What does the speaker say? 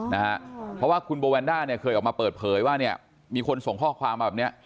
เพราะว่าคุณโบแวนด้าเคยออกมาเปิดเผยว่ามีคนส่งข้อความแบบนี้